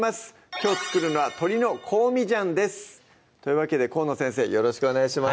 きょう作るのは「鶏の香味醤」ですというわけで河野先生よろしくお願いします